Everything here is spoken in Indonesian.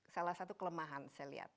salah satu kelemahan saya lihat